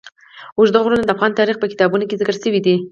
اوږده غرونه د افغان تاریخ په کتابونو کې ذکر شوی دي.